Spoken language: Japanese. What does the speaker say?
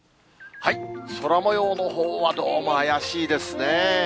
空もようのほうは、どうも怪しいですね。